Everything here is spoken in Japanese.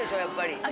やっぱり。